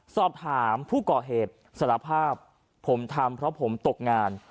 สอบถามผู้ก่อเหตุสารภาพผมทำเพราะผมตกงาน